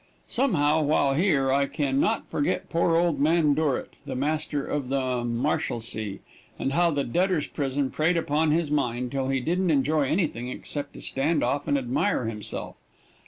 Somehow, while here, I can not forget poor old man Dorrit, the Master of the Marshalsea, and how the Debtors' Prison preyed upon his mind till he didn't enjoy anything except to stand off and admire himself.